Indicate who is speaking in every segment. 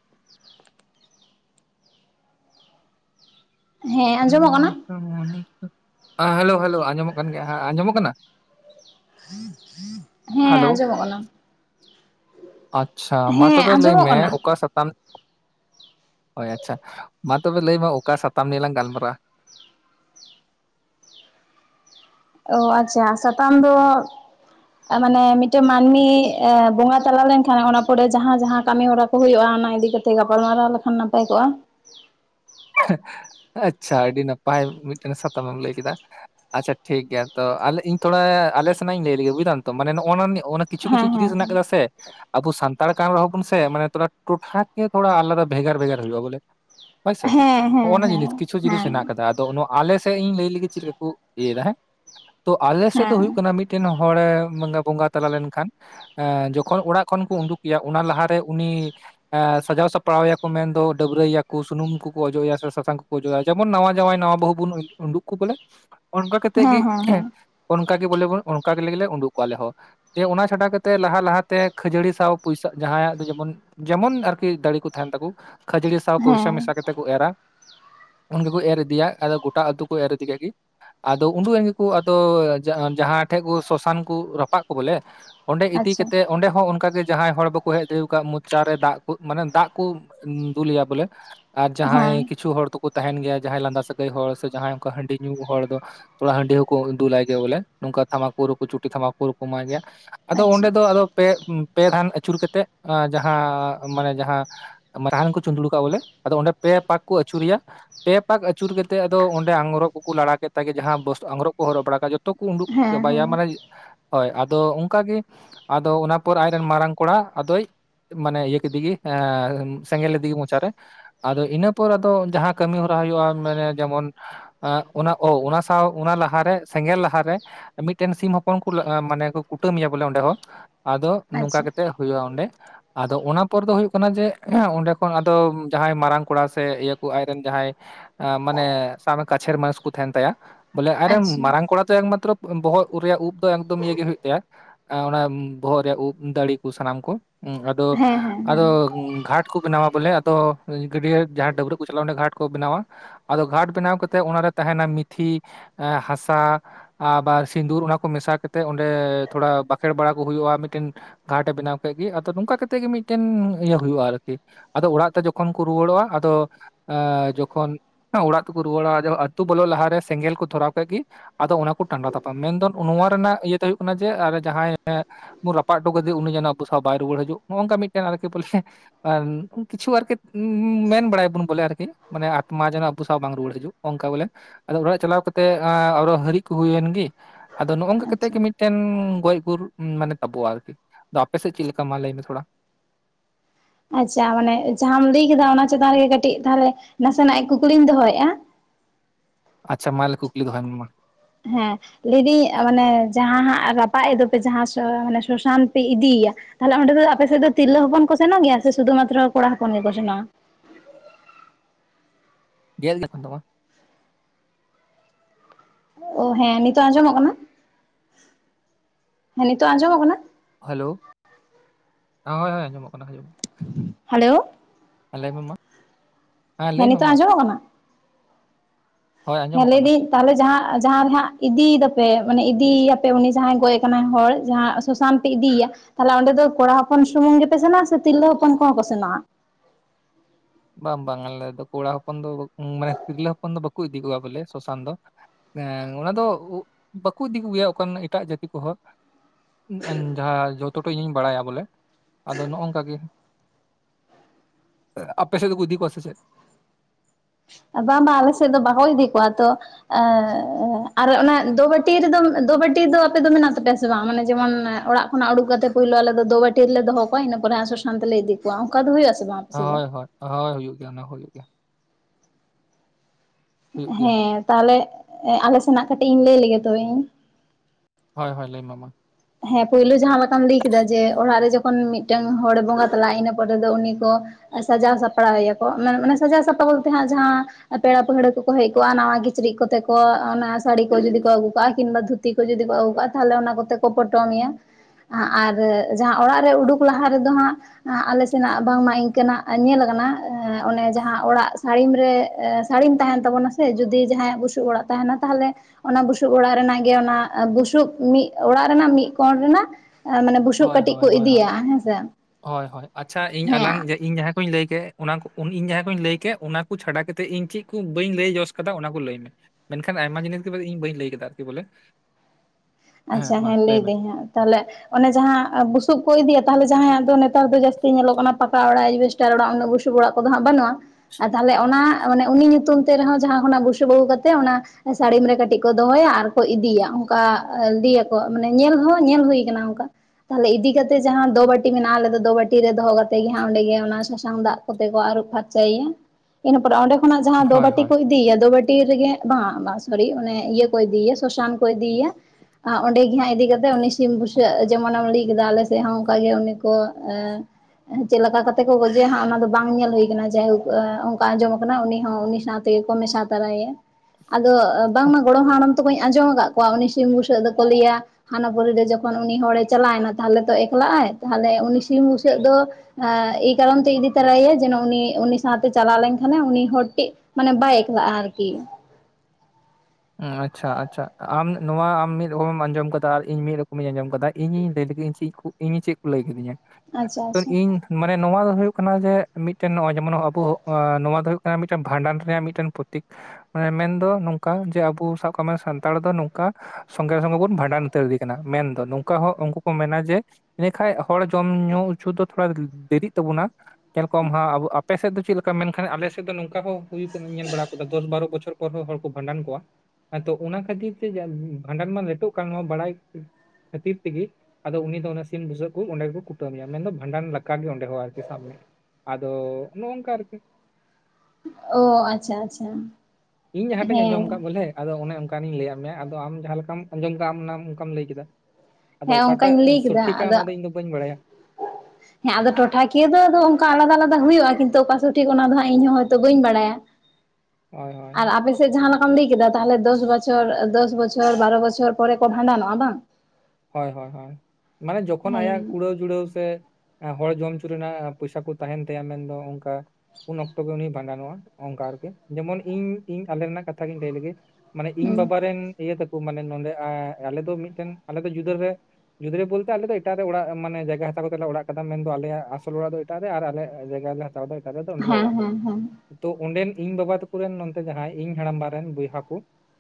Speaker 1: [unintelligible] ᱦᱮᱸ ᱟᱸᱡᱚᱢᱚᱜ ᱠᱟᱱᱟ᱾
Speaker 2: [unintelligible] ᱦᱟᱞᱳ ᱦᱟᱞᱳ ᱟᱸᱡᱚᱢᱚᱜ ᱠᱟᱱ ᱜᱮᱭᱟ᱾ ᱦᱮᱸ ᱟᱸᱡᱚᱢᱚᱜ ᱠᱟᱱᱟ?
Speaker 1: ᱦᱮᱸ
Speaker 2: ᱦᱮᱞᱳ
Speaker 1: ᱟᱸᱡᱚᱢᱚᱜ ᱠᱟᱱᱟ᱾
Speaker 2: ᱟᱪᱪᱷᱟ ᱢᱟ
Speaker 1: ᱦᱮᱸ
Speaker 2: ᱛᱚᱵᱮ
Speaker 1: ᱟᱸᱡᱚᱢᱚᱜ
Speaker 2: ᱞᱟᱹᱭᱢᱮ
Speaker 1: ᱠᱟᱱᱟ
Speaker 2: ᱚᱠᱟ ᱥᱟᱛᱟᱢ ᱦᱳᱭ ᱟᱪᱪᱷᱟ ᱢᱟ ᱛᱚᱵᱮ ᱞᱟᱹᱭ ᱢᱮ ᱚᱠᱟ ᱥᱟᱛᱟᱢ ᱱᱤᱭᱮ ᱞᱟᱝ ᱜᱟᱞᱢᱟᱨᱟᱜᱼᱟ?
Speaker 1: ᱚ ᱟᱪᱪᱷᱟ᱾ ᱥᱟᱛᱟᱢ ᱫᱚ ᱢᱟᱱᱮ ᱢᱤᱴᱮ ᱢᱟᱹᱱᱢᱤ ᱵᱚᱸᱜᱟ ᱛᱟᱞᱟ ᱞᱮᱱᱠᱷᱟᱱ ᱚᱱᱟ ᱯᱚᱨᱮ ᱡᱟᱦᱟᱸ ᱡᱟᱦᱟᱸ ᱠᱟᱹᱢᱤ ᱦᱚᱨᱟ ᱦᱩᱭᱩᱜᱼᱟ᱾ ᱚᱱᱟ ᱤᱫᱤ ᱠᱟᱛᱮ ᱜᱟᱯᱟᱞᱢᱟᱨᱟᱣ ᱞᱮᱠᱷᱟᱱ ᱱᱟᱯᱟᱭ ᱠᱚᱜᱼᱟ᱾
Speaker 2: ᱟᱪᱪᱷᱟ᱾ ᱟᱹᱰᱤ ᱱᱟᱯᱟᱭ ᱢᱤᱴᱮᱱ ᱥᱟᱛᱟᱢ ᱮᱢ ᱞᱟᱹᱭ ᱠᱮᱫᱟ᱾ ᱟᱪᱪᱷᱟ ᱴᱷᱤᱠ ᱜᱮᱭᱟ ᱛᱚ, ᱟᱞᱮ ᱤᱧ ᱛᱷᱚᱲ ᱟᱞᱮᱥᱮᱱᱟᱜ ᱤᱧᱟᱹᱭ ᱞᱮᱜᱮ ᱵᱩᱡ ᱫᱟᱢ ᱛᱚ ᱢᱟᱱᱮ ᱱᱚᱜᱚ ᱚᱱᱟ ᱠᱤᱪᱷᱩ ᱠᱤᱪᱷᱩ
Speaker 1: ᱦᱮᱸ
Speaker 2: ᱡᱤᱱᱤᱥ
Speaker 1: ᱦᱮᱸ
Speaker 2: ᱦᱮᱱᱟ ᱠᱟᱫᱟ ᱥᱮ ᱟᱵᱚ ᱥᱟᱱᱛᱟᱲ ᱠᱟᱱ ᱨᱮᱦᱚᱸ ᱵᱚᱱ ᱥᱮ ᱢᱟᱱᱮ ᱛᱷᱚᱲᱟ ᱴᱚᱴᱷᱟ ᱠᱚ ᱛᱷᱚᱲᱟ ᱟᱞᱟ ᱵᱷᱮᱜᱟᱨ ᱵᱷᱮᱜᱟᱨ ᱦᱩᱭᱩᱜᱼᱟ᱾ ᱵᱚᱞᱮ᱾
Speaker 1: ᱦᱮᱸ
Speaker 2: ᱦᱚᱜᱼ
Speaker 1: ᱦᱮᱸ
Speaker 2: ᱚᱱᱟ ᱡᱤᱱᱤᱥ ᱠᱤᱪᱷᱩ
Speaker 1: ᱦᱮᱸ
Speaker 2: ᱡᱤᱱᱤᱥᱮ ᱠᱟᱫᱟ᱾ ᱛᱚ ᱱᱚᱣᱟ ᱟᱞᱮ ᱥᱮᱫ ᱤᱧ ᱞᱟᱹᱭ ᱞᱟᱹᱜᱤ ᱪᱮᱫ ᱞᱮᱠᱟ ᱠᱚ ᱤᱭᱟᱹᱭᱮᱫᱟ ᱦᱮᱸ᱾ ᱛᱚ ᱟᱞᱮ ᱥᱮᱫ ᱫᱚ ᱦᱩᱭᱩᱜ
Speaker 1: ᱦᱮᱸ
Speaker 2: ᱠᱟᱱᱟ ᱢᱤᱫ ᱴᱮᱱ ᱦᱚᱲᱮ ᱵᱚ ᱵᱚᱸᱜᱟ ᱛᱟᱞᱟ ᱞᱮᱱᱠᱷᱟᱱ ᱮᱸ ᱡᱚᱠᱷᱚᱱ ᱚᱲᱟᱜ ᱠᱷᱚᱱ ᱠᱚ ᱩᱰᱩᱠᱮᱭᱟ ᱚᱱᱟ ᱞᱟᱦᱟᱨᱮ ᱩᱱᱤ ᱮᱸ ᱥᱟᱡᱟᱣ ᱥᱟᱯᱲᱟᱣ ᱮᱭᱟᱠᱚ ᱢᱮᱱᱫᱚ ᱰᱟᱹᱵᱨᱟᱹᱭᱟᱠᱚ ᱥᱩᱱᱩᱢ ᱠᱚ ᱠᱚ ᱚᱡᱚᱜ ᱟᱭᱟ ᱥᱮ ᱥᱟᱥᱟᱝ ᱠᱚᱠᱚ ᱚᱡᱚᱭᱟ᱾ ᱡᱮᱢᱚᱱ ᱱᱟᱣᱟ ᱡᱟᱶᱟᱭ ᱱᱟᱣᱟ ᱵᱟᱹᱦᱩ ᱵᱩᱱ ᱩᱰᱩᱠ ᱠᱚ ᱵᱚᱞᱮ ᱚᱱᱠᱟ ᱠᱟᱛᱮᱜ
Speaker 1: ᱦᱮᱸ
Speaker 2: ᱜᱮ
Speaker 1: ᱦᱮᱸ ᱦᱮᱸ ᱦᱮᱸ
Speaker 2: ᱚᱱᱠᱟᱜ ᱜᱮ ᱵᱚᱞᱮ ᱚᱱᱠᱟᱜᱮ ᱩᱰᱩᱠ ᱠᱚᱣᱟ ᱟᱞᱮ ᱦᱚᱸ᱾ ᱫᱤᱭᱮ ᱚᱱᱟ ᱪᱷᱟᱰᱟ ᱠᱟᱛᱮᱫ ᱞᱟᱦᱟ ᱞᱟᱦᱟᱛᱮ ᱠᱷᱟᱡᱟᱹᱲᱤ ᱥᱟᱶ ᱯᱚᱭᱥᱟ ᱡᱟᱦᱟᱸᱭᱟᱜ ᱫᱚ ᱡᱮᱢᱚᱱ ᱡᱮᱢᱚᱱ ᱟᱨᱠᱤ ᱫᱟᱲᱤ ᱠᱩ ᱛᱟᱦᱮᱱ ᱛᱟᱠᱚ ᱠᱷᱟᱹᱡᱟᱹᱲᱤ ᱥᱟᱶ ᱯᱚᱭᱥᱟ
Speaker 1: ᱦᱮᱸ
Speaker 2: ᱢᱮᱥᱟ ᱠᱟᱛᱮᱫ ᱠᱚ ᱮᱨᱟ᱾ ᱩᱱᱜᱮ ᱠᱚ ᱮᱨ ᱤᱫᱤᱭᱟ ᱟᱫᱚ ᱜᱚᱴᱟ ᱟᱛᱩ ᱠᱚ ᱮᱨ ᱤᱫᱮ ᱠᱮᱫ ᱜᱤ᱾ ᱟᱫᱚ ᱩᱰᱩᱠᱮᱱ ᱜᱮᱠᱚ ᱟᱫᱚ ᱡᱟᱦᱟᱸ ᱴᱷᱮᱡ ᱠᱚ ᱥᱚᱥᱟᱱ ᱠᱚ ᱨᱟᱯᱟᱜ ᱠᱚ ᱵᱚᱞᱮ ᱚᱸᱰᱮ ᱤᱫᱤ
Speaker 1: ᱟᱪᱪᱷᱟ
Speaker 2: ᱠᱟᱛᱮᱜ ᱚᱸᱰᱮ ᱦᱚᱸ ᱚᱱᱠᱟᱜ ᱜᱮ ᱡᱟᱦᱟᱸᱭ ᱦᱚᱲ ᱵᱟ ᱦᱮᱡ ᱫᱟᱲᱤᱣᱟ ᱠᱟᱫ ᱢᱚᱪᱟᱨᱮ ᱫᱟᱜ ᱠᱚ ᱢᱟᱱᱮ ᱫᱟᱜ ᱠᱚ ᱫᱩᱞᱮᱭᱟ ᱵᱚᱞᱮ᱾ ᱟᱨ
Speaker 1: ᱦᱮᱸ
Speaker 2: ᱡᱟᱦᱟᱸᱭ ᱠᱤᱪᱷᱩ ᱦᱚᱲ ᱫᱚᱠᱚ ᱛᱟᱦᱮᱸᱱ ᱜᱮᱭᱟ ᱡᱟᱦᱟᱸᱭ ᱞᱟᱸᱫᱟ ᱥᱟᱹᱜᱟᱹᱭ ᱦᱚᱲ ᱥᱮ ᱡᱟᱦᱟᱸᱭ ᱚᱱᱠᱟ ᱦᱟᱺᱰᱤ ᱧᱩ ᱦᱚᱲ ᱫᱚ ᱛᱷᱚᱲᱟ ᱦᱟᱺᱰᱤ ᱦᱚᱸ ᱠᱚ ᱫᱩᱞᱟᱭ ᱜᱮᱭᱟ ᱵᱚᱞᱮ᱾ ᱱᱚᱝᱠᱟ ᱛᱷᱟᱢᱟᱠᱩᱨ ᱦᱚᱸᱠᱚ ᱪᱩᱴᱤ ᱛᱷᱟᱢᱟᱠᱩᱨ ᱦᱚᱸᱠᱚ ᱮᱢᱟᱭ ᱜᱮᱭᱟ᱾ ᱟᱫᱚ
Speaker 1: ᱟᱪᱪᱷᱟ
Speaker 2: ᱚᱸᱰᱮ ᱫᱚ ᱟᱫᱚ ᱯᱮ ᱯᱮ ᱫᱷᱟᱱ ᱟᱹᱪᱩᱨ ᱠᱟᱛᱮᱜ ᱡᱟᱦᱟᱸ ᱢᱟᱱᱮ ᱡᱟᱦᱟᱸ ᱢᱟᱨᱟᱦᱟᱱ ᱠᱚ ᱪᱩᱫᱩᱲᱩ ᱠᱟᱜᱼᱟ ᱵᱚᱞᱮ, ᱟᱫᱚ ᱚᱸᱰᱮ ᱯᱮ ᱯᱟᱠ ᱠᱚ ᱟᱹᱪᱩᱨᱮᱭᱟ, ᱯᱮ ᱯᱟᱠ ᱟᱹᱪᱩᱨ ᱠᱟᱛᱮᱫ ᱟᱫᱚ ᱚᱸᱰᱮ ᱟᱝᱽᱨᱚᱵ ᱠᱚᱠᱚ ᱞᱟᱲᱟ ᱠᱮᱫ ᱛᱟᱭ ᱜᱮ ᱡᱟᱦᱟᱸ ᱵᱚᱥ ᱟᱝᱽᱨᱚᱵ ᱠᱚ ᱦᱚᱨᱚᱜ ᱵᱟᱲᱟ ᱠᱟᱜ ᱡᱚ ᱛᱚ ᱠᱚ ᱩᱸᱰᱩᱠ
Speaker 1: ᱦᱮᱸ
Speaker 2: ᱪᱟᱵᱟᱭᱟ
Speaker 1: ᱦᱮᱸ
Speaker 2: ᱢᱟᱱᱮ ᱦᱳᱭ ᱟᱫᱚ ᱚᱝᱠᱟ ᱜᱮ, ᱟᱫᱚ ᱚᱱᱟ ᱯᱚᱨ ᱟᱡ ᱨᱮᱱ ᱢᱟᱨᱟᱝ ᱠᱚᱲᱟ ᱟᱫᱚᱭ ᱢᱟᱱᱮ ᱤᱭᱟᱹ ᱠᱮᱫᱤ ᱜᱮ ᱮᱸ ᱥᱮᱸᱜᱮᱞ ᱟᱫᱤ ᱜᱤ ᱢᱚᱪᱟ ᱨᱮ᱾ ᱟᱫᱚ ᱤᱱᱟᱹ ᱯᱚᱨ ᱟᱫᱚ ᱡᱟᱦᱟᱸ ᱠᱟᱹᱢᱤ ᱦᱚᱨᱟ ᱦᱩᱭᱩᱜ-ᱟ ᱢᱟᱱᱮ ᱡᱮᱢᱚᱱ ᱟᱸ ᱚᱱᱟ ᱤᱧ ᱚᱱᱟ ᱥᱟᱶ ᱚᱱᱟ ᱞᱟᱦᱟ ᱨᱮ ᱥᱮᱸᱜᱮᱞ ᱞᱟᱦᱟ ᱨᱮ ᱢᱤᱫᱴᱮᱱ ᱥᱤᱢ ᱦᱚᱯᱚᱱ ᱠᱚ ᱢᱟᱱᱮ ᱠᱚ ᱠᱩᱴᱟᱹᱢ ᱢᱮᱭᱟ ᱵᱚᱞᱮ ᱚᱸᱰᱮ ᱦᱚᱸ᱾ ᱟᱫᱚ ᱱᱚᱝᱠᱟ
Speaker 1: ᱟᱪᱪᱷᱟ
Speaker 2: ᱠᱟᱛᱮᱜ ᱦᱩᱭᱩᱜ-ᱟ ᱚᱸᱰᱮ, ᱟᱫᱚ ᱚᱱᱟ ᱯᱚᱨ ᱫᱚ ᱦᱩᱭᱩᱜ ᱠᱟᱱᱟ ᱡᱮ ᱚᱸᱰᱮ ᱠᱷᱚᱱ ᱟᱫᱚ ᱡᱟᱦᱟᱸᱭ ᱢᱟᱨᱟᱝ ᱠᱚᱲᱟ ᱥᱮ ᱤᱭᱟᱹ ᱠᱚ ᱟᱡ ᱨᱮᱱ ᱡᱟᱦᱟᱸᱭ ᱢᱟᱱᱮ ᱥᱟᱵ ᱢᱮ ᱠᱟᱪᱷᱮᱨ ᱢᱟᱱᱩᱥ ᱠᱚ ᱛᱟᱦᱮᱸᱱ ᱛᱟᱭᱟ᱾ ᱵᱚᱞᱮ ᱟᱡᱨᱮᱱ
Speaker 1: ᱟᱪᱪᱷᱟ
Speaker 2: ᱢᱟᱨᱟᱝ ᱠᱚᱲᱟ ᱫᱚ ᱮᱠᱢᱟᱛᱨᱚ ᱵᱚᱦᱚᱜ ᱨᱮᱭᱟᱜ ᱩᱵ ᱫᱚ ᱮᱠᱫᱚᱢ ᱤᱭᱟᱹ ᱜᱮ ᱦᱩᱭᱩᱜ ᱛᱟᱭᱟ, ᱚᱱᱟ ᱵᱚᱦᱚᱜ ᱨᱮᱭᱟᱜ ᱩᱵ, ᱫᱟᱲᱤ ᱠᱚ ᱥᱟᱱᱟᱢ ᱠᱚ᱾ ᱩᱸ ᱟᱫᱚ,
Speaker 1: ᱦᱮᱸ ᱦᱮᱸ
Speaker 2: ᱟᱫᱚ
Speaker 1: ᱦᱮᱸ
Speaker 2: ᱜᱷᱟᱴ ᱠᱚ ᱵᱮᱱᱟᱣᱟ ᱵᱚᱞᱮ ᱟᱫᱚ ᱜᱟᱹᱰᱤᱭᱟᱹ ᱡᱟᱦᱟᱸ ᱰᱟᱹᱵᱨᱟᱹᱜ ᱠᱚ ᱪᱟᱞᱟᱜᱼᱟ ᱚᱸᱰᱮ ᱜᱷᱟᱴ ᱠᱚ ᱵᱮᱱᱟᱣᱟ ᱾ ᱟᱫᱚ ᱜᱷᱟᱴ ᱵᱮᱱᱟᱣ ᱠᱟᱛᱮ ᱚᱱᱟ ᱨᱮ ᱛᱟᱦᱮᱸᱱᱟ ᱢᱤᱛᱷᱤ, ᱮᱸ ᱦᱟᱥᱟ, ᱟᱵᱟᱨ ᱥᱤᱸᱫᱩᱨ ᱚᱱᱟ ᱠᱚ ᱢᱮᱥᱟ ᱠᱮᱛᱮᱜ ᱚᱸᱰᱮ ᱛᱷᱚᱲᱟ ᱵᱟᱸᱠᱷᱮᱲ ᱵᱟᱲᱟ ᱦᱩᱭᱩᱜᱼᱟ, ᱢᱤᱫᱴᱮᱱ ᱜᱷᱟᱴ ᱮ ᱵᱮᱱᱟᱣ ᱠᱮᱜ ᱜᱮ ᱟᱫᱚ ᱱᱚᱝᱠᱟ ᱠᱟᱛᱮᱜ ᱜᱤ ᱢᱤᱫᱴᱮᱱ ᱤᱭᱟᱹ ᱦᱩᱭᱩᱜᱼᱟ ᱟᱨᱠᱤ᱾ ᱟᱫᱚ ᱚᱲᱟᱜ ᱛᱮ ᱡᱚ ᱠᱷᱚᱱ ᱠᱚ ᱨᱩᱣᱟᱹᱲᱚᱜᱼᱟ ᱟᱫᱚ ᱮᱸᱻ ᱡᱚᱠᱷᱚᱱ ᱮᱸ ᱚᱲᱟᱜ ᱛᱮᱠᱚ ᱨᱩᱣᱟᱹᱲᱟ ᱡᱚᱦᱚᱜ ᱟᱹᱛᱩ ᱵᱚᱞᱚ ᱞᱟᱦᱟᱨᱮ ᱥᱮᱸᱜᱮᱞ ᱠᱚ ᱫᱷᱚᱨᱟᱣ ᱠᱮᱜ ᱜᱤ, ᱟᱫᱚ ᱚᱱᱟ ᱠᱚ ᱴᱟᱸᱰᱟ ᱛᱟᱯᱟ ᱢᱮᱱᱫᱚ ᱱᱚᱣᱟ ᱨᱮᱱᱟᱜ ᱤᱭᱟᱹ ᱫᱚ ᱦᱩᱭᱩᱜ ᱠᱟᱱᱟ ᱡᱮ ᱟᱞᱮ ᱡᱟᱦᱟᱸᱭ [inaudible] ᱵᱚᱱ ᱨᱟᱯᱟᱜ ᱦᱚᱴᱚ ᱠᱟᱹᱫᱤ ᱩᱱᱤ ᱡᱮᱱᱚ ᱟᱵᱚ ᱥᱟᱶ ᱵᱟᱭ ᱨᱩᱣᱟᱹᱲ ᱦᱤᱡᱩᱜ, ᱱᱚᱜ-ᱚ ᱚᱝᱠᱟ ᱢᱤᱫᱴᱟᱝ ᱟᱞᱮ [inaudible] ᱵᱚᱞᱮ ᱠᱤᱪᱷᱩ ᱟᱨᱠᱤ ᱢᱮᱱ ᱵᱟᱲᱟᱭᱟ ᱵᱚᱱ ᱵᱚᱞᱮ ᱟᱨᱠᱤ, ᱢᱟᱱᱮ ᱟᱛᱢᱟ ᱡᱮᱱᱚ ᱟᱵᱳ ᱥᱟᱶ ᱵᱟᱝ ᱨᱩᱣᱟᱹᱲ ᱦᱤᱡᱩᱜ ᱚᱝᱠᱟ ᱵᱚᱞᱮ ᱾ ᱟᱫᱚ ᱚᱲᱟᱜ ᱪᱟᱞᱟᱣ ᱠᱟᱛᱮᱜ ᱟᱨᱚ ᱦᱟᱹᱨᱤᱜ ᱠᱚ ᱦᱩᱭᱮᱱ ᱜᱤ, ᱟᱫᱚ ᱱᱚᱜ-ᱚ ᱚᱝᱠᱟ ᱠᱟᱛᱮᱜ
Speaker 1: ᱟᱪᱪᱷᱟ
Speaker 2: ᱜᱤ ᱢᱤᱫᱴᱮᱱ ᱜᱚᱡ ᱜᱩᱨ ᱢᱟᱱᱮ ᱛᱟᱵᱚᱜᱼᱟ ᱟᱨᱠᱤ, ᱟᱫᱚ ᱟᱯᱮ ᱥᱮᱜ ᱪᱮᱜ ᱞᱮᱠᱟ ᱢᱟ ᱞᱟᱹᱭᱢᱮ ᱛᱷᱚᱲᱟ?
Speaker 1: ᱟᱪᱪᱷᱟ ᱢᱟᱱᱮ ᱡᱟᱦᱟᱸᱟᱢ ᱞᱟᱹᱭ ᱠᱮᱫᱟ ᱚᱱᱟ ᱪᱮᱛᱟᱱ ᱨᱮᱜᱮ ᱠᱟᱹᱴᱤᱡ ᱛᱟᱦᱚᱞᱮ ᱱᱟᱥᱮᱱᱟᱜ ᱤᱧ ᱠᱩᱠᱞᱤᱧ ᱫᱚᱦᱚᱭᱮᱜᱼᱟ ᱾
Speaker 2: ᱟᱪᱪᱷᱟ ᱢᱟ ᱠᱩᱠᱞᱤ ᱫᱚᱦᱚᱭ ᱢᱮ ᱢᱟ ᱾
Speaker 1: ᱦᱮᱸ᱾ ᱞᱮᱭ ᱫᱟᱹᱧ ᱢᱟᱱᱮ ᱡᱟᱦᱟᱸ ᱦᱟᱸᱜ ᱨᱟᱯᱟᱜ ᱮᱜ ᱫᱚᱯᱮ ᱡᱟᱦᱟᱸ ᱢᱟᱱᱮ ᱥᱚᱥᱟᱱ ᱯᱮ ᱤᱫᱤᱭᱮᱭᱟ, ᱛᱟᱦᱚᱞᱮ ᱚᱸᱰᱮ ᱫᱚ ᱟᱯᱮ ᱥᱮᱜ ᱫᱚ ᱛᱤᱨᱞᱟᱹ ᱦᱚᱯᱚᱱ ᱠᱚ ᱥᱮᱱᱚᱜ ᱜᱮᱭᱟ ᱥᱮ ᱥᱩᱫᱩ ᱢᱟᱛᱨᱚ ᱠᱚᱲᱟ ᱦᱚᱯᱚᱱ ᱜᱮᱠᱚ ᱥᱮᱱᱚᱜᱼᱟ?
Speaker 2: [inaudible] ᱛᱟᱢᱟ᱾
Speaker 1: ᱚ ᱦᱮᱸ ᱱᱤᱛᱚᱜ ᱟᱸᱡᱚᱢᱚᱜ ᱠᱟᱱᱟ? ᱦᱮᱸ ᱱᱤᱛᱚᱜ ᱟᱸᱡᱚᱢᱚᱜ ᱠᱟᱱᱟ?
Speaker 2: ᱦᱮᱞᱳᱣ, ᱚᱸ ᱦᱳᱭ ᱦᱳᱭ ᱟᱸᱡᱚᱢᱚᱜ ᱠᱟᱱᱟ [inaudible] ᱾
Speaker 1: ᱦᱮᱞᱳᱣ!
Speaker 2: ᱦᱮᱸ ᱞᱟᱹᱭ ᱢᱮ ᱢᱟ ᱾
Speaker 1: ᱦᱮᱸ ᱱᱤᱛᱚᱜ ᱟᱸᱡᱚᱢᱚᱜ ᱠᱟᱱᱟ?
Speaker 2: ᱦᱳᱭ
Speaker 1: ᱦᱮᱸ
Speaker 2: ᱟᱸᱡᱚᱢᱚᱜ ᱠᱟᱱᱟ
Speaker 1: ᱞᱮᱫᱤᱧ ᱛᱟᱦᱚᱞᱮ ᱡᱟᱦᱟᱸ ᱡᱟᱦᱟᱸ ᱨᱮ ᱦᱟᱸᱜ ᱤᱫᱤᱭ ᱫᱟᱯᱮ ᱢᱟᱱᱮ ᱤᱫᱤᱭᱮᱭᱟ ᱯᱮ ᱩᱱᱤ ᱡᱟᱦᱟᱸᱭ ᱜᱚᱡ ᱠᱟᱱᱟᱭ ᱦᱚᱲ ᱡᱟᱦᱟᱸ ᱥᱚᱥᱟᱱ ᱯᱮ ᱤᱫᱤᱭᱮᱭᱟ, ᱛᱟᱦᱚᱞᱮ ᱚᱸᱰᱮ ᱫᱚ ᱠᱚᱲᱟ ᱦᱚᱯᱚᱱ ᱥᱩᱢᱩᱝ ᱜᱮᱯᱮ ᱥᱮᱱᱚᱜᱼᱟ ᱥᱮ ᱛᱤᱨᱞᱟᱹ ᱦᱚᱯᱚᱱ ᱠᱚᱦᱚᱸ ᱠᱚ ᱥᱮᱱᱚᱜᱼᱟ?
Speaker 2: ᱵᱟᱝ ᱵᱟᱝ ᱟᱞᱮ ᱫᱚ ᱠᱚᱲᱟ ᱦᱚᱯᱚᱱ ᱫᱚ ᱢᱟᱱᱮ ᱛᱤᱨᱞᱟᱹ ᱦᱚᱯᱚᱱ ᱫᱚ ᱵᱟᱠᱚ ᱤᱫᱤ ᱠᱚᱣᱟ ᱵᱚᱞᱮ ᱥᱚᱥᱟᱱ ᱫᱚ ᱾ ᱮᱸ ᱚᱱᱟ ᱫᱚ ᱵᱟᱠᱩ‌ ᱤᱫᱤ ᱠᱚ ᱜᱮᱭᱟ ᱚᱠᱟᱱᱟᱜ ᱮᱴᱟᱜ ᱡᱟᱹᱛᱤ ᱠᱚᱦᱚᱸ ᱾ ᱡᱟᱦᱟᱸ ᱡᱚᱛᱚᱴᱚ ᱤᱧᱤᱧ ᱵᱟᱲᱟᱭᱟ ᱵᱚᱞᱮ ᱟᱫᱚ ᱱᱚᱜᱼᱚᱝᱠᱟ ᱜᱮ ᱾ ᱟᱯᱮ ᱥᱮᱫ ᱫᱚᱠᱚ ᱤᱫᱤ ᱠᱚ‌ᱣᱟ ᱥᱮ ᱪᱮᱫ?
Speaker 1: ᱵᱟᱝ ᱵᱟᱝ ᱟᱞᱮ ᱥᱮᱫ ᱫᱚ ᱵᱟᱠᱚ ᱤᱫᱤ ᱠᱚᱣᱟ ᱛᱚ ᱟᱨ ᱚᱱᱟ ᱫᱚᱵᱟᱹᱴᱤ ᱨᱮᱫᱚ ᱫᱚᱵᱟᱹᱴᱤ ᱫᱚ ᱟᱯᱮ ᱫᱚ ᱢᱮᱱᱟᱜ ᱛᱟᱯᱮᱭᱟ ᱥᱮ ᱵᱟᱝ ᱢᱟᱱᱮ ᱡᱮᱢᱚᱱ ᱚᱲᱟᱜ ᱠᱷᱚᱱᱟᱜ ᱩᱰᱩᱠ ᱠᱟᱛᱮ ᱯᱳᱭᱞᱳ ᱟᱞᱮ ᱫᱚ ᱫᱚᱵᱟᱹᱴᱤ ᱨᱮᱞᱮ ᱫᱚᱦᱚ ᱠᱚᱣᱟ ᱤᱱᱟᱹ ᱯᱚᱨᱮ ᱦᱟᱸᱜ ᱥᱚᱥᱟᱱ ᱛᱮᱞᱮ ᱤᱫᱤ ᱠᱚᱣᱟ ᱚᱱᱠᱟ ᱫᱚ ᱦᱳᱭᱳᱜᱼᱟ ᱥᱮ ᱵᱟᱝ? ᱟᱯᱮ ᱥᱮᱫ
Speaker 2: ᱦᱚᱭ ᱦᱚᱭ ᱦᱚᱭ ᱦᱩᱭᱩᱜ ᱜᱮᱭᱟ ᱚᱱᱟ ᱦᱩᱭᱩᱜ ᱜᱮᱭᱟ ᱾
Speaker 1: ᱦᱮᱸ ᱛᱟᱦᱞᱮ ᱟᱞᱮ ᱥᱮᱱᱟᱜ ᱠᱟᱹᱴᱤᱡ ᱤᱧ ᱞᱟᱹᱭ ᱞᱮᱜᱮ ᱛᱚᱵᱮ ᱤᱧ ᱾
Speaker 2: ᱦᱚᱭ ᱦᱚᱭ ᱞᱟᱹᱭ ᱢᱮ ᱢᱟ᱾
Speaker 1: ᱦᱮᱸ ᱯᱩᱭᱞᱩ ᱡᱟᱦᱟᱸ ᱞᱮᱠᱟᱢ ᱞᱟᱹᱭ ᱠᱮᱫᱟ ᱡᱮ ᱚᱲᱟᱜ ᱨᱮ ᱡᱚᱠᱷᱚᱱ ᱢᱤᱫᱴᱟᱝ ᱦᱚᱲᱮ ᱵᱚᱸᱜᱟ ᱛᱟᱞᱟᱜᱼᱟ ᱤᱱᱟᱹ ᱯᱚᱨᱮ ᱫᱚ ᱩᱱᱤ ᱠᱚ ᱥᱟᱡᱟᱣ ᱥᱟᱯᱲᱟᱣᱭᱟᱠᱚ ᱢᱟᱱᱮ ᱢᱟᱱᱮ ᱥᱟᱡᱟᱣ ᱥᱟᱯᱲᱟᱣ ᱵᱚᱞᱛᱮ ᱦᱟᱸᱜ ᱡᱟᱦᱟᱸ ᱯᱮᱲᱟ ᱯᱟᱹᱦᱲᱟᱹ ᱠᱚᱠᱚ ᱦᱮᱡ ᱠᱚᱜᱼᱟ ᱱᱟᱣᱟ ᱠᱤᱪᱨᱤᱡ ᱠᱚᱛᱮ ᱠᱚ ᱚᱱᱟ ᱥᱟᱹᱲᱤ ᱠᱚ ᱡᱩᱫᱤ ᱠᱚ ᱟᱹᱜᱩ ᱠᱟᱜᱼᱟ ᱠᱤᱱᱵᱟ ᱫᱷᱩ ᱛᱤ ᱠᱚ ᱡᱩᱫᱤ ᱠᱚ ᱟᱹᱜᱩ ᱠᱟᱜᱼᱟ ᱛᱟᱦᱞᱮ ᱚᱱᱟ ᱠᱚᱛᱮ ᱠᱚ ᱯᱚᱴᱚᱢᱮᱭᱟ ᱟᱨ ᱡᱟᱦᱟᱸ ᱚᱲᱟᱜ ᱨᱮ ᱩᱰᱩᱠ ᱞᱟᱦᱟ ᱨᱮᱫᱚ ᱦᱟᱸᱜ ᱟᱞᱮ ᱥᱮᱱᱟᱜ ᱵᱟᱝᱢᱟ ᱤᱝᱠᱟᱹᱱᱟᱜ ᱧᱮᱞ ᱠᱟᱱᱟ ᱚᱱᱮ ᱡᱟᱦᱟᱸ ᱚᱲᱟᱜ ᱥᱟᱹᱲᱤᱢ ᱨᱮ ᱥᱟᱹᱲᱤᱢ ᱛᱟᱦᱮᱱ ᱛᱟᱵᱚᱱᱟ ᱥᱮ ᱡᱩᱫᱤ ᱡᱟᱦᱟᱸᱭᱟᱜ ᱵᱩᱥᱩᱵ ᱚᱲᱟᱜ ᱛᱟᱦᱮᱱᱟ ᱛᱟᱦᱞᱮ ᱚᱱᱟ ᱵᱩᱥᱩᱵ ᱚᱲᱟᱜ ᱨᱮᱱᱟᱜ ᱜᱮ ᱚᱱᱟ ᱵᱩᱥᱩᱵ ᱢᱤᱫ ᱚᱲᱟᱜ ᱨᱮᱱᱟᱜ ᱢᱤᱫ ᱠᱚᱬ ᱨᱮᱱᱟᱜ ᱢᱟᱱᱮ ᱵᱩᱥᱩᱵ
Speaker 2: ᱦᱳᱭ
Speaker 1: ᱠᱟᱹᱴᱤᱡ
Speaker 2: ᱦᱳᱭ
Speaker 1: ᱠᱚ
Speaker 2: ᱦᱳᱭ ᱦᱳᱭ,
Speaker 1: ᱤᱫᱤᱭᱟ ᱦᱮᱸᱥᱮ
Speaker 2: ᱦᱳᱭ ᱦᱳᱭ ᱟᱪᱪᱷᱟ ᱤᱧ ᱟᱞᱟᱝ
Speaker 1: ᱦᱮᱸ
Speaker 2: ᱤᱧ ᱡᱟᱦᱟᱸ ᱠᱩᱧ ᱞᱟᱹᱭ ᱠᱮᱜ ᱚᱱᱟ ᱠᱚ ᱤᱧ ᱡᱟᱦᱟᱸ ᱠᱩᱧ ᱞᱟᱹᱭ ᱠᱮᱜ ᱚᱱᱟ ᱠᱚ ᱪᱷᱟᱰᱟ ᱠᱟᱛᱮᱜ ᱤᱧ ᱪᱮᱫ ᱠᱚ ᱵᱟᱹᱧ ᱞᱟᱹᱭ ᱡᱚᱥ ᱠᱟᱫᱟ ᱚᱱᱟ ᱠᱚ ᱞᱟᱹᱭ ᱢᱮ ᱾ ᱢᱮᱱᱠᱷᱟᱱ ᱟᱭᱢᱟ ᱡᱤᱱᱤᱥ ᱜᱮ ᱤᱧ ᱵᱟᱹᱧ ᱞᱟᱹᱭ ᱠᱟᱫᱟ ᱟᱨᱠᱤ ᱵᱚᱞᱮ
Speaker 1: ᱟᱪᱪᱷᱟ
Speaker 2: ᱢᱟ
Speaker 1: ᱦᱮᱸ
Speaker 2: ᱞᱟᱹᱭ ᱢᱮ
Speaker 1: ᱞᱟᱹᱭᱫᱟᱹᱧ ᱦᱮᱸ ᱛᱟᱦᱞᱮ ᱚᱱᱮ ᱡᱟᱦᱟᱸ ᱵᱩᱥᱩᱵ ᱠᱚ ᱤᱫᱤᱭᱟ ᱛᱟᱦᱞᱮ ᱡᱟᱦᱟᱸᱭᱟᱜ ᱫᱚ ᱚᱱᱮ ᱱᱮᱛᱟᱨ ᱫᱚ ᱡᱟᱹᱥᱛᱤ ᱧᱮᱞᱚᱜ ᱠᱟᱱᱟ ᱯᱟᱠᱟ ᱚᱲᱟᱜ ᱤᱠᱵᱮᱥᱴᱟᱨ ᱚᱲᱟᱜ ᱩᱱᱟᱹᱜ ᱵᱩᱥᱩᱵ ᱚᱲᱟᱜ ᱠᱚ ᱦᱟᱸᱜ ᱵᱟᱹᱱᱩᱜᱼᱟ ᱾ ᱟᱨ ᱛᱟᱞᱦᱮ ᱚᱱᱟ ᱢᱟᱱᱮ ᱩᱱᱤ ᱧᱩᱛᱩᱢ ᱛᱮ ᱨᱮᱦᱚᱸ ᱡᱟᱦᱟᱸ ᱠᱷᱚᱱᱟᱜ ᱵᱩᱥᱩᱵ ᱟᱹᱜᱩ ᱠᱟᱛᱮᱫ ᱚᱱᱟ ᱥᱟᱹᱲᱤᱢ ᱨᱮ ᱠᱟᱹᱴᱤᱡ ᱠᱚ ᱫᱚᱦᱚᱭᱟ ᱟᱨᱠᱚ ᱤᱫᱤᱭᱟ ᱚᱝᱠᱟ᱾ ᱤᱫᱤᱭᱟᱠᱚ ᱢᱟᱱᱮ ᱧᱮᱞ ᱦᱚᱸ ᱧᱮᱞ ᱦᱳᱭ ᱠᱟᱱᱟ ᱚᱝᱠᱟ ᱾ ᱛᱟᱞᱦᱮ ᱤᱫᱤ ᱠᱟᱛᱮ ᱡᱟᱦᱟᱸ ᱫᱚᱵᱟᱹᱴᱤ ᱢᱮᱱᱟᱜᱼᱟ ᱟᱞᱮ ᱫᱚ ᱫᱚᱵᱟᱹᱴᱤ ᱨᱮ ᱫᱚᱦᱚ ᱠᱟᱛᱮᱫ ᱜᱮ ᱦᱟᱸᱜ ᱚᱸᱰᱮ ᱜᱮ ᱚᱱᱟ ᱥᱟᱥᱟᱝ ᱫᱟᱜ ᱠᱚᱛᱮ ᱠᱚ ᱟᱹᱨᱩᱵ ᱯᱷᱟᱨᱪᱟᱭ ᱭᱟ ᱤᱱᱟᱹ ᱯᱚᱨᱮ ᱚᱸᱰᱮ ᱠᱷᱚᱱᱟᱜ ᱡᱟᱦᱟᱸ
Speaker 2: ᱦᱳᱭ
Speaker 1: ᱫᱚᱵᱟᱹᱴᱤ
Speaker 2: ᱦᱳᱭ
Speaker 1: ᱠᱚ ᱤᱫᱤᱭᱟ ᱫᱚᱵᱟᱹᱴᱤ ᱨᱮᱜᱮ ᱵᱟᱝ ᱵᱟᱝ ᱥᱚᱨᱤ ᱚᱱᱮ ᱤᱭᱟᱹ ᱠᱚᱭ ᱤᱫᱤᱭᱟ ᱥᱚᱥᱟᱱ ᱠᱚ ᱤᱫᱤᱭᱟ ᱾ ᱚᱸᱰᱮ ᱜᱮ ᱦᱟᱸᱜ ᱤᱫᱤ ᱠᱟᱛᱮᱫ ᱩᱱᱤ ᱥᱤᱢ ᱵᱩᱥᱟᱹᱜ ᱡᱮᱢᱚᱱ ᱮᱢ ᱞᱟᱹᱭ ᱠᱮᱫᱟ ᱟᱞᱮ ᱥᱮᱫ ᱦᱚᱸ ᱚᱱᱠᱟᱜ ᱜᱮ ᱩᱱᱤ ᱠᱚ ᱮᱸᱜ ᱪᱮᱫ ᱞᱮᱠᱟ ᱠᱟᱛᱮᱜ ᱠᱚ ᱜᱚᱡᱮᱭᱟ ᱦᱟᱸᱜ ᱚᱱᱟ ᱫᱚ ᱵᱟᱝ ᱧᱮᱞ ᱦᱳᱭ ᱠᱟᱱᱟ ᱡᱟᱭᱦᱳᱠ ᱚᱝᱠᱟ ᱟᱸᱡᱚᱢ ᱠᱟᱱᱟ ᱩᱱᱤ ᱦᱚᱸ ᱩᱱᱤ ᱥᱟᱶᱛᱮ ᱡᱮᱠᱚ ᱢᱮᱥᱟ ᱛᱟᱨᱟᱭᱟ ᱾
Speaker 2: [unintelligible]
Speaker 1: ᱟᱫᱚ ᱵᱟᱝᱢᱟ ᱜᱚᱲᱚᱢ ᱦᱟᱲᱟᱢ ᱛᱚᱠᱚᱧ ᱟᱸᱡᱚᱢ ᱠᱟᱜ ᱠᱚᱣᱟ ᱩᱱᱤ ᱥᱤᱢ ᱵᱩᱥᱟᱹᱜ ᱫᱚᱠᱚ ᱞᱟᱹᱭᱟ ᱦᱟᱱᱟ ᱯᱤᱨᱤ ᱨᱮ ᱡᱚᱠᱷᱚᱱ ᱩᱱᱤ ᱦᱚᱲᱮ ᱪᱟᱞᱟᱣᱱᱟ ᱛᱟᱦᱞᱮ ᱛᱚ ᱮᱠᱞᱟᱜ ᱟᱭ ᱛᱟᱦᱞᱮ ᱩᱱᱤ ᱥᱤᱢ ᱵᱩᱥᱟᱹᱜ ᱫᱚ, ᱮᱭ ᱠᱟᱨᱚᱱ ᱛᱮ ᱤᱫᱤ ᱛᱟᱨᱟᱭᱟᱭ ᱡᱮ ᱱᱩᱜᱱᱤ ᱩᱱᱤ ᱥᱟᱶᱛᱮ ᱪᱟᱞᱟᱣ ᱞᱮᱱᱠᱷᱟᱱᱮ ᱩᱱᱤ ᱦᱚᱲ ᱴᱤᱡ ᱢᱟᱱᱮ ᱵᱟᱭ ᱮᱠᱞᱟᱜ-ᱟ ᱟᱨᱠᱤ ᱾
Speaker 2: ᱟᱪᱪᱷᱟ ᱟᱪᱪᱷᱟ ᱟᱢ ᱱᱚᱣᱟ ᱟᱢ ᱢᱤᱫ ᱨᱚᱠᱚᱢᱮᱢ ᱟᱸᱡᱚᱢ ᱠᱟᱫᱟ ᱟᱨ ᱤᱧ ᱢᱤᱫ ᱨᱚᱠᱚᱢ ᱤᱧ ᱟᱸᱡᱚᱢ ᱠᱟᱫᱟ ᱤᱧᱤᱧ ᱞᱟᱹᱭ ᱞᱮᱜᱮ ᱤᱧ ᱪᱮᱫ ᱠᱚᱧ ᱤᱧ ᱪᱮᱫ ᱠᱚ ᱞᱟᱹᱭ ᱠᱟᱫᱤᱧᱟ
Speaker 1: ᱟᱪᱪᱷᱟ
Speaker 2: ᱛᱚ
Speaker 1: ᱟᱪᱪᱷᱟ
Speaker 2: ᱤᱧ ᱢᱟᱱᱮ ᱱᱚᱣᱟ ᱫᱚ ᱦᱳᱭᱳᱜ ᱠᱟᱱᱟ ᱡᱮ ᱢᱤᱫᱴᱮᱱ ᱱᱚᱜ-ᱚᱭ ᱡᱮᱢᱚᱱ ᱟᱵᱚ ᱱᱚᱣᱟ ᱫᱚ ᱦᱳᱜ ᱠᱟᱱᱟ ᱵᱷᱟᱸᱰᱟᱱ ᱨᱮᱭᱟᱜ ᱢᱤᱫᱴᱮᱱ ᱯᱚᱛᱤᱠ ᱢᱟᱱᱮ ᱢᱮᱱᱫᱚ ᱱᱚᱝᱠᱟ ᱡᱮ ᱟᱵᱚ ᱥᱟᱵ ᱠᱟᱜ ᱢᱮ ᱥᱟᱱᱛᱟᱲ ᱫᱚ ᱱᱚᱝᱠᱟ ᱥᱚᱸᱜᱮ ᱥᱚᱸᱜᱮ ᱵᱚᱱ ᱵᱷᱟᱸᱰᱟᱱ ᱩᱛᱟᱹᱨᱮᱫᱮ ᱠᱟᱱᱟ ᱢᱮᱱᱫᱚ ᱱᱚᱝᱠᱟ ᱦᱚᱸ ᱩᱱᱠᱩ ᱠᱚ ᱢᱮᱱᱟ ᱡᱮ, ᱮᱰᱮᱠᱷᱟᱡ ᱦᱚᱲ ᱡᱚᱢ ᱧᱩ ᱦᱚᱪᱚ ᱫᱚ ᱛᱷᱚᱲᱟ ᱫᱮᱨᱤᱜ ᱛᱟᱵᱚᱱᱟ ᱧᱮᱞᱠᱚᱢ ᱦᱟᱸᱜ ᱟᱵᱚ ᱟᱯᱮᱥᱮᱫ ᱫᱚ ᱪᱮᱫ ᱞᱮᱠᱟ ᱢᱮᱱᱠᱷᱟᱱ ᱟᱞᱮᱥᱮᱫ ᱫᱚ ᱱᱚᱝᱠᱟ ᱦᱚᱸ ᱦᱩᱭ ᱠᱟᱱᱟ ᱧᱮᱞ ᱵᱟᱲᱟ ᱠᱟᱫᱟ ᱫᱚᱥ ᱵᱟᱨᱚ ᱵᱚᱪᱷᱚᱨ ᱦᱚᱸ ᱦᱚᱲ ᱠᱚ ᱵᱷᱟᱸᱰᱟᱱ ᱠᱚᱣᱟ ᱾ ᱟᱫᱚ ᱚᱱᱟ ᱠᱷᱟᱹᱛᱤᱨ ᱛᱮ ᱵᱷᱟᱸᱰᱟᱱ ᱢᱟ ᱞᱮᱴᱚᱜ ᱠᱟᱱ ᱱᱚᱣᱟ ᱵᱟᱲᱟᱭ ᱠᱷᱟᱹᱛᱤᱨ ᱛᱮᱜᱮ ᱟᱫᱚ ᱩᱱᱤ ᱫᱚ ᱚᱱᱟ ᱥᱤᱢ ᱵᱩᱥᱟᱹᱜ ᱠᱚ ᱚᱸᱰᱮ ᱜᱮᱠᱚ ᱠᱩᱴᱟᱹᱢ ᱢᱮᱭᱟ ᱢᱮᱱᱫᱚ ᱵᱷᱟᱸᱰᱟᱱ ᱞᱮᱠᱟᱜᱮ ᱚᱸᱰᱮ ᱦᱚᱸ ᱟᱨᱠᱤ ᱥᱟᱵ ᱢᱮ ᱾ ᱟᱫᱚ ᱱᱚᱜ-ᱚᱝᱠᱟ ᱟᱨᱠᱤ ᱾
Speaker 1: ᱚ ᱟᱪᱪᱷᱟ ᱟᱪᱪᱷᱟ ᱾
Speaker 2: ᱤᱧ ᱡᱟᱦᱟᱸ ᱴᱮᱡ ᱤ ᱟᱸᱡᱚᱢ ᱟᱠᱟᱫ ᱵᱚᱞᱮ ᱾ ᱟᱫᱚ ᱚᱱᱮ ᱚᱱᱠᱟᱱᱤᱧ ᱞᱟᱹ ᱟᱫ ᱢᱮᱭᱟ ᱟᱫᱚ ᱟᱢ ᱡᱟᱦᱟᱸ ᱞᱮᱠᱟᱢ ᱟᱸᱡᱚᱢ ᱠᱮᱫ ᱚᱱᱠᱟᱢ ᱞᱟᱹᱭ ᱠᱮᱫᱟ ᱾ ᱟᱫᱚ
Speaker 1: ᱦᱮᱸ
Speaker 2: ᱚᱠᱟᱴᱟᱜ
Speaker 1: ᱚᱱᱠᱟᱧ ᱞᱟᱹᱭ ᱠᱮᱫᱟ
Speaker 2: ᱥᱚᱴᱷᱤᱠᱟ
Speaker 1: ᱟᱫᱚ
Speaker 2: ᱚᱱᱟ ᱫᱚ ᱤᱧ ᱫᱚ ᱵᱟᱹᱧ ᱵᱟᱲᱟᱭᱟ!
Speaker 1: ᱦᱮᱸ ᱟᱫᱚ ᱴᱚᱴᱷᱟ ᱠᱤᱭᱟᱹ ᱫᱚᱫᱚ ᱚᱱᱠᱟ ᱟᱞᱟᱫᱟᱞᱟᱫᱟ ᱦᱩᱭᱩᱜᱼᱟ ᱠᱤᱱᱛᱩ ᱚᱠᱟ ᱥᱚᱴᱷᱤᱠ ᱚᱱᱟ ᱦᱜ ᱤᱧ ᱦᱚᱸᱭᱛᱳ ᱵᱟᱹᱧ ᱵᱟᱲᱟᱭᱟ ᱾
Speaker 2: [unintelligible] ᱦᱳᱭ
Speaker 1: ᱟᱨ ᱟᱯᱮ ᱪᱮᱫ ᱡᱟᱦᱟᱸ ᱞᱮᱠᱟᱢ ᱟᱹᱭ ᱠᱮᱫᱟ ᱛᱟᱦᱚᱞᱮ ᱫᱚᱥ ᱵᱚᱪᱷᱚᱨ ᱫᱚᱥ ᱵᱚᱪᱷᱚᱨ ᱵᱟᱨᱚ ᱵᱚᱪᱷᱚᱨ ᱯᱚᱨᱮ ᱠᱚ ᱵᱷᱟᱸᱰᱟᱱᱚᱜᱼᱟ ᱵᱟᱝ?
Speaker 2: ᱦᱳᱭ ᱦᱳᱭ ᱦᱳᱭ ᱢᱟᱱᱮ ᱡᱚᱠᱷᱚᱱ ᱟᱭᱟᱜ ᱠᱩᱲᱟᱹᱣ ᱡᱩᱲᱟᱹᱣ ᱥᱮ ᱮᱸ ᱦᱚᱲ ᱡᱚᱢ ᱦᱚᱪᱚ ᱨᱮᱱᱟᱜ ᱯᱚᱭᱥᱟ ᱠᱚ ᱛᱟᱦᱮᱱ ᱛᱟᱭᱟ ᱢᱮᱱᱫᱚ ᱚᱱᱠᱟ ᱩᱱ ᱚᱠᱛᱚ ᱜᱮ ᱩᱱᱤᱭ ᱵᱷᱟᱰᱟᱱᱚᱜᱼᱟ ᱚᱱᱠᱟ ᱟᱨᱠᱤ ᱡᱮᱢᱚᱱ ᱤᱧ ᱤᱧ ᱟᱞᱮ ᱨᱮᱱᱟᱜ ᱠᱟᱛᱷᱟ ᱜᱤᱧ ᱞᱟᱹᱭ ᱞᱮᱜᱮ ᱾ ᱢᱟᱱᱮ ᱤᱧ
Speaker 1: ᱦᱮᱸ
Speaker 2: ᱵᱟᱵᱟ ᱨᱮᱱ ᱤᱭᱟᱹ ᱛᱟᱠᱚ ᱢᱟᱱᱮ ᱱᱚᱰᱮ ᱟᱞᱮ ᱫᱚ ᱢᱤᱫᱴᱮᱱ ᱟᱞᱮ ᱫᱚ ᱡᱩᱫᱟᱹᱨ ᱨᱮ ᱡᱩᱫᱟᱹ ᱵᱚᱞᱛᱮ ᱟᱞᱮ ᱫᱚ ᱮᱴᱟᱜ ᱨᱮ ᱚᱲᱟᱜ ᱢᱟᱱ ᱡᱟᱭᱜᱟ ᱦᱟᱛᱟᱣ ᱠᱟᱛᱮᱞ ᱞᱮ ᱚᱲᱟᱜ ᱟᱠᱟᱫᱟ ᱢᱮᱱᱫᱚ ᱟᱞᱮ ᱟᱥᱚᱞ ᱚᱲᱟᱜ ᱫᱚ ᱮᱴᱟᱜ ᱨᱮ ᱟᱨ ᱟᱞᱮᱭᱟᱜ ᱡᱟᱭᱜᱟ ᱞᱮᱼᱼ [inaudible] ᱫᱚ ᱚᱲᱟᱜ
Speaker 1: ᱦᱮᱸ
Speaker 2: ᱟᱠᱟᱫᱟ᱾
Speaker 1: ᱦᱮᱸ ᱦᱮᱸ
Speaker 2: ᱛᱚ ᱚᱸᱰᱮᱱ ᱤᱧ ᱵᱟᱵᱟ ᱛᱟᱠᱩᱨᱮᱱ ᱱᱮ ᱡᱟᱦᱟᱸᱭ ᱤᱧ ᱦᱟᱲᱟᱢᱵᱟ ᱨᱮᱱ ᱵᱚᱭᱦᱟ ᱠᱚ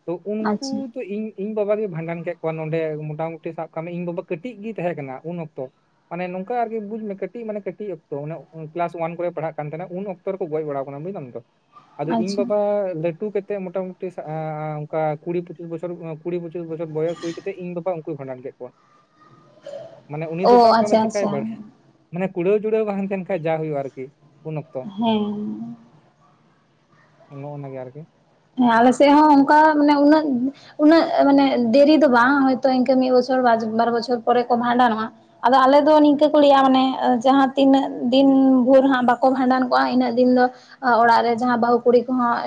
Speaker 2: ᱛᱚ ᱩᱱᱠᱩ
Speaker 1: ᱟᱪᱪᱷᱟ
Speaker 2: ᱛ ᱤᱧ ᱤᱧ ᱵᱟᱵᱟᱜ ᱜᱮ ᱵᱷᱟᱸᱰᱟᱱ ᱠᱮᱫ ᱠᱚᱣᱟ ᱱᱚᱰᱮ, ᱢᱳᱚᱴᱟᱢᱩᱴᱤ ᱥᱟᱵ ᱠᱟᱜ ᱢᱮ ᱤᱧ ᱵᱟᱵᱟ ᱠᱟᱹᱴᱤᱡ ᱜᱮ ᱛᱟᱦᱮᱸ ᱠᱟᱱᱟ ᱩᱱ ᱚᱠᱛᱚ ᱾ ᱢᱟᱱᱮ ᱱᱚᱝᱠᱟ ᱟᱨᱠᱤ ᱵᱩᱡ ᱢᱮ ᱠᱟᱹᱴᱤᱡ ᱢᱟᱱᱮ ᱠᱟᱹᱴᱤᱡ ᱚᱠᱛᱚ ᱠᱞᱟᱥ ᱚᱣᱟᱱ ᱠᱚᱨᱮ ᱯᱟᱲᱦᱟᱜ ᱛᱟᱦᱮᱱᱟ ᱩᱱ ᱚᱠ ᱾ ᱛᱚ ᱨᱮ ᱠᱚ ᱜᱚᱡ ᱵᱟᱲᱟ ᱟᱠᱟᱱᱟ ᱵᱩᱡᱫᱟᱢ ᱛᱚ ᱟᱫᱚ ᱤᱧ
Speaker 1: ᱟᱪᱪᱷᱟ
Speaker 2: ᱵᱟᱵᱟ ᱞᱟᱹᱴᱩ ᱠᱟᱛᱮᱫ ᱢᱚᱴᱟ ᱤᱥ ᱮᱸ ᱚᱱᱠᱟ ᱠᱩᱲᱤ ᱯᱚᱸᱪᱤᱥ ᱵᱚᱪᱚᱨ ᱠᱩᱲᱤ ᱯᱚᱸᱪᱤᱥ ᱵᱚᱪᱚᱨ ᱵᱚᱭᱚᱥ ᱦᱩᱭ ᱠᱟᱛᱮ ᱤᱧ ᱵᱟᱵᱟ ᱠᱚᱭ ᱵᱷᱟᱸᱰᱟᱱ ᱠᱮᱫ ᱠᱚᱣᱟ ᱢᱟᱱᱮ ᱩᱱᱤ ᱫᱚ
Speaker 1: ᱚ
Speaker 2: ᱥᱟᱵ ᱠᱟᱜ ᱢᱮ
Speaker 1: ᱟᱪᱪᱷᱟ
Speaker 2: ᱪᱮᱠᱟᱭ
Speaker 1: ᱟᱪᱪᱷᱟ
Speaker 2: ᱵᱟᱲᱟᱭ ᱢᱟᱱᱮ ᱠᱩᱲᱟᱹᱣ ᱡᱩᱲᱟᱹᱣ ᱵᱟᱝᱱ ᱛᱟᱦᱮᱱ ᱠᱷᱟᱱᱡ ᱡᱟ ᱦᱩᱭᱩᱜᱼᱟ ᱟᱨᱠᱤ ᱩᱱ ᱚᱠᱛᱚ ᱾
Speaker 1: ᱦᱮᱸ
Speaker 2: ᱚᱱᱟᱱᱟᱜᱮ ᱟᱨᱠᱤ
Speaker 1: ᱦᱮᱸ ᱟᱞᱮ ᱥᱮᱫ ᱦᱚᱸ ᱚᱱᱠᱟ ᱢᱟᱱᱮ ᱩᱱᱟᱹᱜᱼᱼ ᱩᱱᱟᱹᱜ ᱢᱟᱱᱮ ᱫᱮᱨᱤ ᱫᱚ ᱵᱟᱝ ᱦᱚᱭᱛᱳ ᱤᱱᱠᱟᱹ ᱢᱤᱫ ᱵᱚᱪᱷᱚᱨ ᱵᱟᱨ ᱵᱚᱪᱷᱚᱨ ᱯᱚᱨᱮ ᱠᱚ ᱵᱷᱟᱸᱰᱟᱱᱚᱜᱼᱟ᱾ ᱟᱫᱚ ᱟᱞᱮ ᱫᱚ ᱱᱤᱝᱠᱟᱹ ᱠᱚ ᱞᱟᱹᱭᱟ ᱢᱟᱱᱮ ᱡᱟᱦᱟᱸ ᱛᱤᱱᱟᱹᱜ ᱫᱤᱱ ᱵᱷᱳᱨ ᱦᱟᱸᱜ ᱵᱟᱠᱚ ᱵᱷᱟᱸᱰᱟᱱ ᱠᱚᱜᱼᱟ ᱤᱱᱟᱹᱜ ᱫᱤᱱ ᱫᱚᱼᱼ ᱚᱲᱟᱜ ᱨᱮ ᱡᱟᱦᱟᱸ ᱵᱟᱹᱦᱩ ᱠᱩᱲᱤ ᱠᱚᱦᱚᱸ